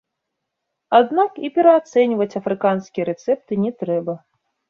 Аднак і пераацэньваць афрыканскія рэцэпты не трэба.